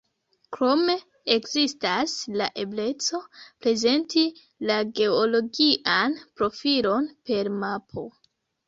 Krome ekzistas la ebleco prezenti la geologian profilon per mapo.